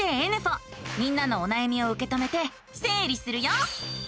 みんなのおなやみをうけ止めてせい理するよ！